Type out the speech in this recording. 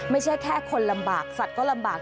ไม่ใช่แค่คนลำบากสัตว์ก็ลำบาก